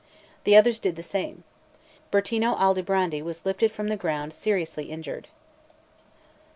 The others did the same. Bertino Aldobrandi was lifted from the ground seriously injured.